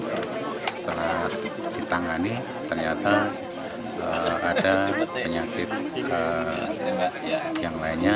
setelah ditangani ternyata ada penyakit yang lainnya